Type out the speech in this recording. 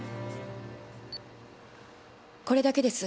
これだけです。